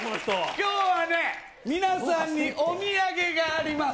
きょうはね、皆さんにお土産があります。